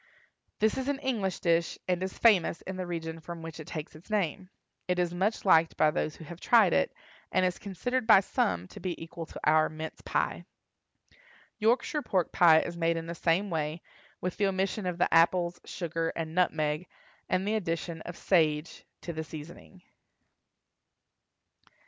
This is an English dish, and is famous in the region from which it takes its name. It is much liked by those who have tried it, and is considered by some to be equal to our mince pie. Yorkshire pork pie is made in the same way, with the omission of the apples, sugar, and nutmeg, and the addition of sage to the seasoning.